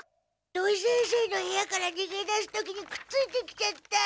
土井先生の部屋からにげ出す時にくっついてきちゃった。